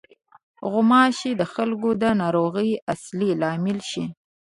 غوماشې د خلکو د ناروغۍ اصلي لامل شي.